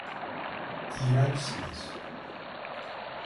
İğrençsiniz!